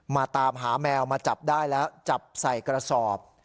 มาตามหาแมวมาจับได้แล้วจับใส่กระสอบ